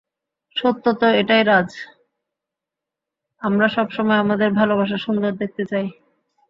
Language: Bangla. সত্য তো এটাই রাজ, আমরা সবসময় আমাদের ভালবাসা সুন্দর দেখতে চাই।